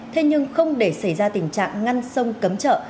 thế nhưng không để xảy ra tình trạng ngăn sông cấm chợ